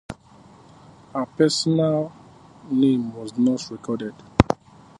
Her personal name was not recorded.